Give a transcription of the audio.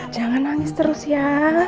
jangan nangis terus ya